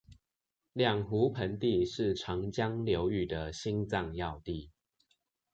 兩湖盆地是長江流域的心臟要地